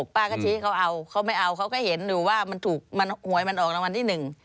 ป้าก็ชี้ให้เขาเอาเขาไม่เอาเขาก็เห็นอยู่ว่ามันถูกมันหวยมันออกรางวัลที่หนึ่ง